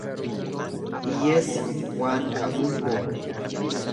Hiyyeessi waan qabuun boona.